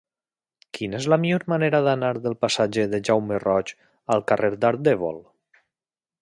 Quina és la millor manera d'anar del passatge de Jaume Roig al carrer d'Ardèvol?